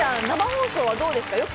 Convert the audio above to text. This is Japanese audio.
生放送はどうですか？